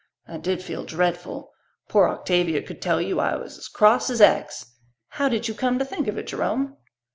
I did feel dreadful. Poor Octavia could tell you I was as cross as X. How did you come to think of it, Jerome?"